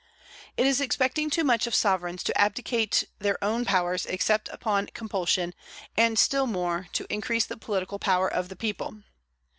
It is expecting too much of sovereigns to abdicate their own powers except upon compulsion; and still more, to increase the political power of the people.